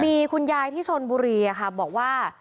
มีคุณยายที่ชนบุรีบอกว่า